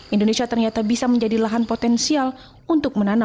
indonesia ternyata bisa mencapai empat meter dengan daun daun yang lebarnya sepuluh cm